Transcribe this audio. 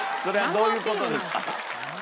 どういう事ですか？